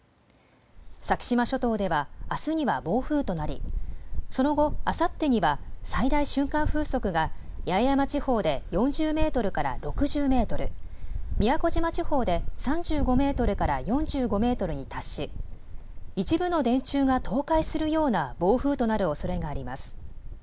先島諸島ではあすには暴風となり、その後、あさってには最大瞬間風速が八重山地方で４０メートルから６０メートル、宮古島地方で３５メートルから４５メートルに達し、一部の電柱が倒壊するような暴風となるおそれがあります。